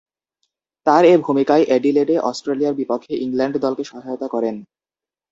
তার এ ভূমিকায় অ্যাডিলেডে অস্ট্রেলিয়ার বিপক্ষে ইংল্যান্ড দলকে সহায়তা করেন।